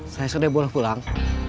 saya sudah boleh pulang